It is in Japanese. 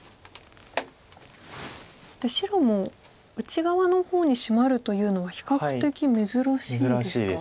そして白も内側の方にシマるというのは比較的珍しいですか？